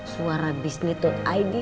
suara bisnis itu id